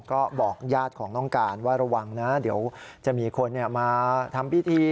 ก็บอกญาติของน้องการว่าระวังนะเดี๋ยวจะมีคนมาทำพิธี